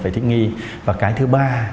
phải thích nghi và cái thứ ba